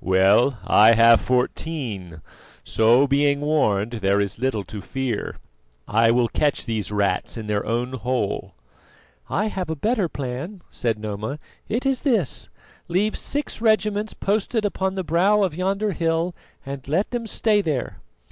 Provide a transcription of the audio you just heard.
"Well, I have fourteen; so, being warned, there is little to fear. I will catch these rats in their own hole." "I have a better plan," said Noma; "it is this: leave six regiments posted upon the brow of yonder hill and let them stay there.